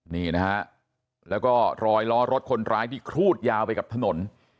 นี่นะฮะแล้วก็รอยล้อรถคนร้ายที่ครูดยาวไปกับถนน